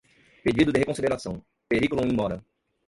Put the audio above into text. pedido de reconsideração, periculum in mora